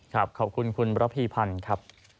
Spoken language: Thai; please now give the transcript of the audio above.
ครับขอบคุณคุณรับพิพันธ์ครับ